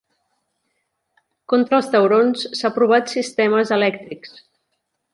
Contra els taurons s'ha provat sistemes elèctrics.